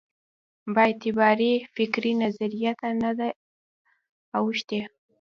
بااعتبارې فکري نظریې ته نه ده اوښتې.